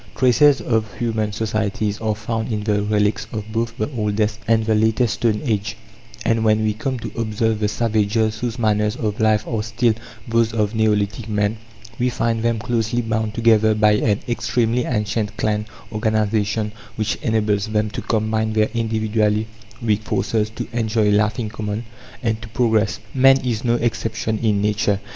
Traces of human societies are found in the relics of both the oldest and the later stone age; and, when we come to observe the savages whose manners of life are still those of neolithic man, we find them closely bound together by an extremely ancient clan organization which enables them to combine their individually weak forces, to enjoy life in common, and to progress. Man is no exception in nature.